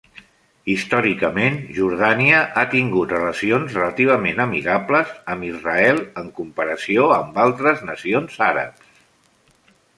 Històricament, Jordània ha tingut relacions relativament amigables amb Israel en comparació amb altres nacions àrabs.